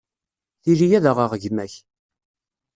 Tili ad aɣeɣ gma-k.